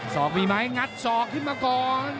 อกมีไหมงัดศอกขึ้นมาก่อน